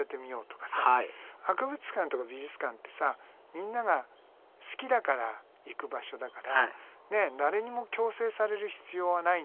博物館とか美術館ってさみんなが好きだから行く場所だから誰にも強制される必要はないんだよね。